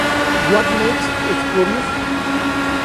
What Makes Us Curious".